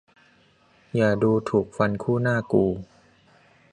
อย่าดูถูกฟันคู่หน้ากู !